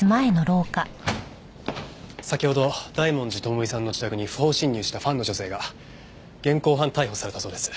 先ほど大文字智美さんの自宅に不法侵入したファンの女性が現行犯逮捕されたそうです。